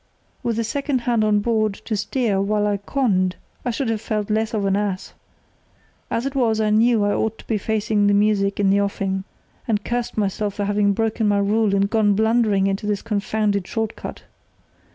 "With a second hand on board to steer while I conned I should have felt less of an ass. As it was, I knew I ought to be facing the music in the offing, and cursed myself for having broken my rule and gone blundering into this confounded short cut.